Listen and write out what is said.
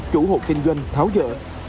chủ hộ kinh doanh tháo rỡ